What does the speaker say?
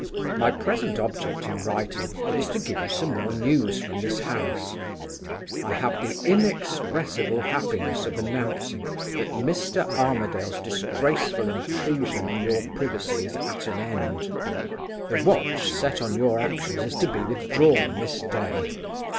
"My present object in writing is to give you some more news from this house. I have the inexpressible happiness of announcing that Mr. Armadale's disgraceful intrusion on your privacy is at an end. The watch set on your actions is to be withdrawn this day.